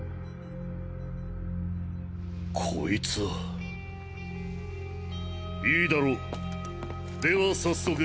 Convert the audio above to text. こいつはいいだろうでは早速。